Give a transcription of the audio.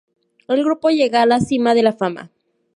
El grupo llega a la cima de la fama.